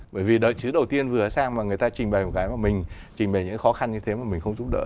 bởi vì đại sứ đầu tiên vừa sang và người ta trình bày một cái mà mình trình bày những khó khăn như thế mà mình không giúp đỡ